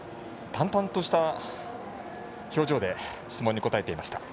淡々とした表情で質問に答えていました。